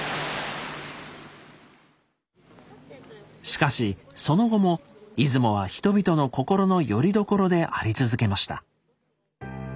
しかしその後も出雲は人々の心のよりどころであり続けました。